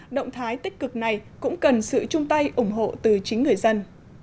động thái tích cực này cũng cần sự chung tay ủng hộ từ chính người dân